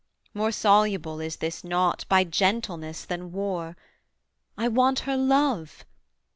More soluble is this knot, By gentleness than war. I want her love.